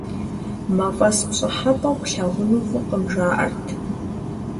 МафӀэс пщӀыхьэпӀэу плъагъуну фӀыкъым, жаӀэрт.